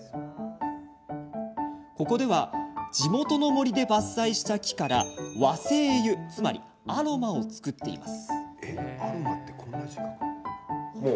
ここでは地元の森で伐採した木から和精油つまりアロマを作っています。